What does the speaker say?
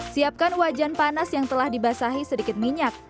siapkan wajan panas yang telah dibasahi sedikit minyak